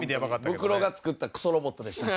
ブクロが作ったクソロボットでした。